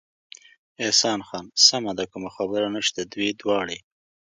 احسان خان: سمه ده، کومه خبره نشته، دوی دواړې.